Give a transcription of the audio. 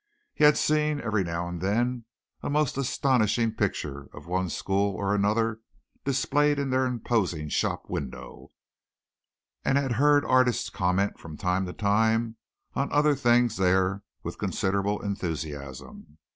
He had seen, every now and then, a most astonishing picture of one school or another displayed in their imposing shop window, and had heard artists comment from time to time on other things there with considerable enthusiasm.